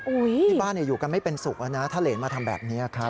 ที่บ้านอยู่กันไม่เป็นสุขแล้วนะถ้าเหรนมาทำแบบนี้ครับ